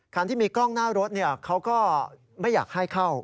คันที่มีกล้องหน้ารถเขาก็ไม่อยากให้เข้า